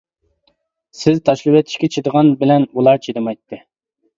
سىز تاشلىۋېتىشكە چىدىغان بىلەن ئۇلار چىدىمايتتى.